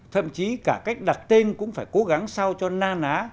thậm chí cả cách đặt tên cũng phải cố gắng sao cho na ná